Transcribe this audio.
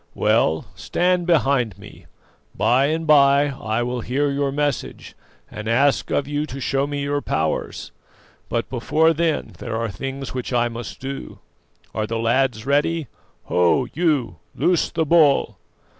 Well, stand behind me: by and by I will hear your message and ask of you to show me your powers; but before then there are things which I must do. Are the lads ready? Ho, you, loose the bull!"